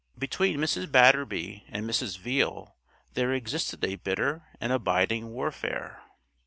Between Mrs. Batterby and Mrs. Veale there existed a bitter and abiding warfare.